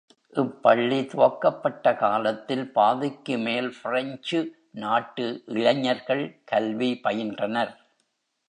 இப்பள்ளி துவக்கப்பட்ட காலத்தில் பாதிக்குமேல் ஃப்ரெஞ்சு நாட்டு இளைஞர்கள் கல்வி பயின்றனர்.